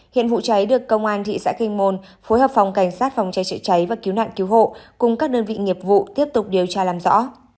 hiện vụ cháy được công an thị xã kinh môn phối hợp phòng cảnh sát phòng cháy chữa cháy và cứu nạn cứu hộ cùng các đơn vị nghiệp vụ tiếp tục điều tra làm rõ